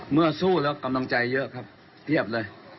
สู้แล้วกำลังใจเยอะครับเพียบเลย